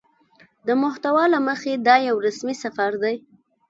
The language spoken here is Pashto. د محتوا له مخې دا يو رسمي سفر دى